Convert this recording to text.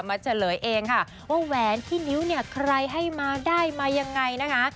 เฉลยเองค่ะว่าแหวนที่นิ้วเนี่ยใครให้มาได้มายังไงนะคะ